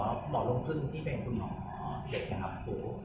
คุณหมอลูกพึ่งที่เป็นคุณหมอเด็กนะครับ